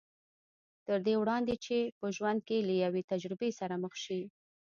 تر دې وړاندې چې په ژوند کې له يوې تجربې سره مخ شي.